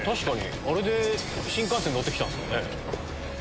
あれで新幹線乗って来たんですかね？